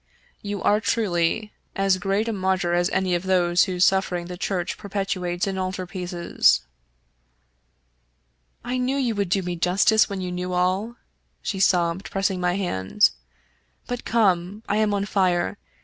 You are truly as great a martyr as any of those whose sufferings the Church perpetuates in altar pieces." " I knew you would do me justice when you knew all," she sobbed, pressing my hand ;" but come. I am on fire.